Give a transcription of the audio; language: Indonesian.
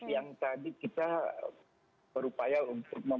yang tadi kita berupaya untuk